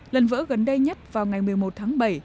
lần vỡ gần đây nhất vào ngày một mươi một tháng bảy